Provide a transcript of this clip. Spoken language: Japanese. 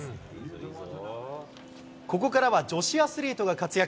ここからは女子アスリートが活躍。